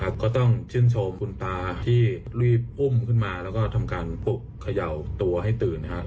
ก็ต้องชื่นชมคุณตาที่รีบอุ้มขึ้นมาแล้วก็ทำการปลุกเขย่าตัวให้ตื่นนะครับ